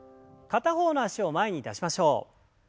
片方の脚を前に出しましょう。